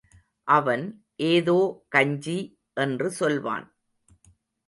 அவன், ஏதோ கஞ்சி —என்று சொல்வான்.